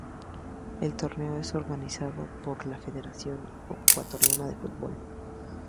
El torneo es organizado por la Federación Ecuatoriana de Fútbol.